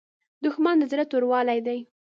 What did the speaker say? دښمن د زړه توروالی دی